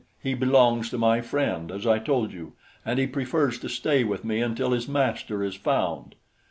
"He belongs to my friend, as I told you, and he prefers to stay with me until his master is found."